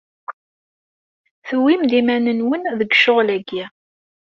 Tewwim-d iman-nwen deg ccɣel-agi.